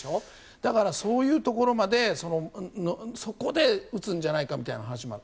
だから、そういうところまでそこで打つんじゃないかみたいな話もある。